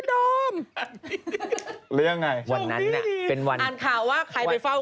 โดมหรือยังไงวันนั้นน่ะเป็นวันอ่านข่าวว่าใครไปเฝ้า